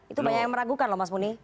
itu banyak yang meragukan loh mas muni